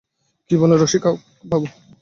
কী বলেন রসিকবাবু?